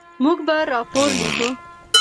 موږ به راپور لیکو.